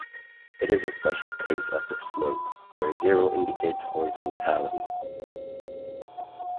It is a special case of the slope, where zero indicates horizontality.